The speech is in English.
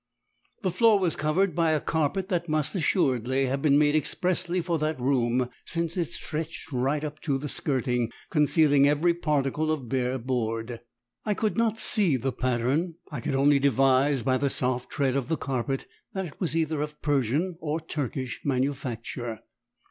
The floor was covered by a carpet that must assuredly have been made expressly for that room since it stretched right up to the skirting, concealing every particle of bare board. I could not see the pattern, I could only devise by the soft tread of the carpet that it was either of Persian or Turkish manufacture.